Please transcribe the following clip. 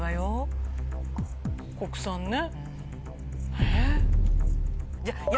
国産ねえ？